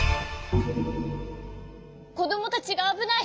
こどもたちがあぶない！